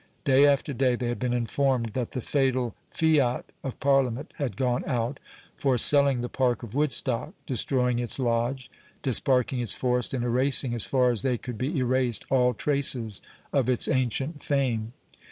Day after day they had been informed, that the fatal fiat of Parliament had gone out, for selling the park of Woodstock, destroying its lodge, disparking its forest, and erasing, as far as they could be erased, all traces of its ancient fame.